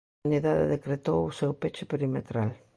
Sanidade decretou o seu peche perimetral.